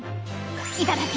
いただき！